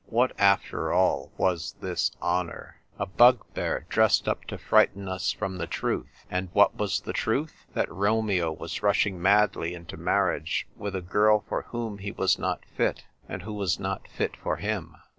What, after all, was this honour ? A bugbear dressed up to frighten us from the truth. And what was the truth ? That Romeo was rushing madly into marriage with a girl for whom he was not fit, and who was not fit for him.